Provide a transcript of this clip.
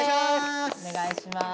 お願いします。